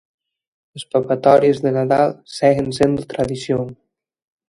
As papatorias de Nadal seguen sendo tradición